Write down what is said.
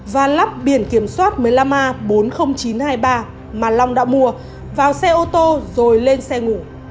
và lắp biển kiểm soát một mươi năm a bốn mươi nghìn chín trăm hai mươi ba mà long đã mua vào xe ô tô rồi lên xe ngủ